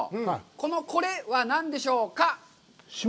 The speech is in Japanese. この、これ！は何でしょうか？